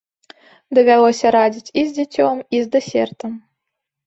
Давялося радзіць і з дзіцём, і з дэсертам.